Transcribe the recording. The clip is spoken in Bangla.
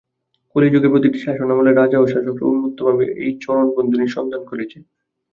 কলিযুগে, প্রতিটি শাসনামলে, রাজা ও শাসকরা উন্মত্তভাবে ওই চরণ-বন্ধনীের সন্ধান করেছে।